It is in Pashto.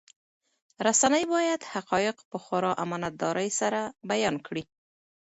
رسنۍ باید حقایق په خورا امانتدارۍ سره بیان کړي.